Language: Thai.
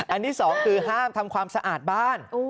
อันนี้สองคือห้ามทำความสะอาดบ้าน